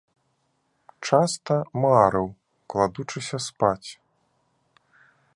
Часта марыў, кладучыся спаць.